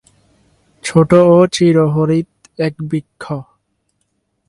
ছোট ও চিরহরিৎ এক বৃক্ষ।